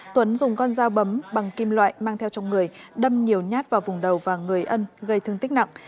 tuấn dùng con dao bấm bằng kim loại mang theo trong người đâm nhiều nhát vào vùng đầu và người ân gây thương tích nặng